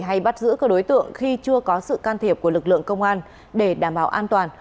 hay bắt giữ các đối tượng khi chưa có sự can thiệp của lực lượng công an để đảm bảo an toàn